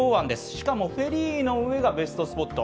しかもフェリーの上がベストスポット。